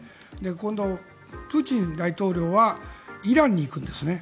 今度、プーチン大統領はイランに行くんですね。